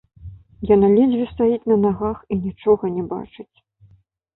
Яна ледзьве стаіць на нагах і нічога не бачыць.